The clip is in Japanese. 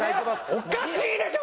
おかしいでしょ！